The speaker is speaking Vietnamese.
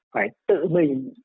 phải tự mình